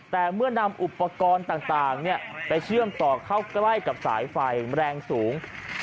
แต่เมื่อนำอุปกรณ์ต่างไปเชื่อมต่อเข้าใกล้กับสายไฟแรงสูง